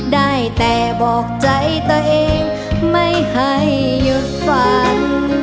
ได้แต่บอกใจตัวเองไม่ให้หยุดฝัน